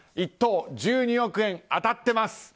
１等、１２億円、当たってます。